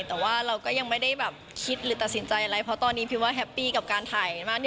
แต่ว่าเราก็ยังไม่ได้แบบคิดหรือตัดสินใจอะไรเพราะตอนนี้พิมว่าแฮปปี้กับการถ่ายมาก